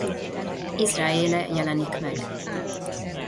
Israele jelenik meg.